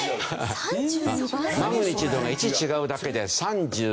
マグニチュードが１違うだけで３２倍。